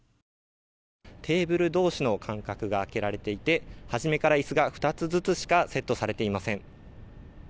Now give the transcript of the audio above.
テーブル同士の間隔があけられていて初めから椅子が２つずつしかセットされていません。